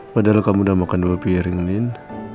padahal kamu udah makan dua piring nen